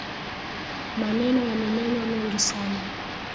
Maneno yamenenwa mengi sana